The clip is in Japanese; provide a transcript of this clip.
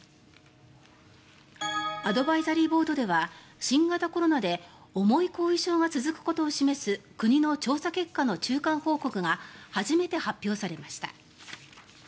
アドバイザリーボードでは新型コロナで重い後遺症が続くことを示す国の調査結果の中間報告が初めて発表されました。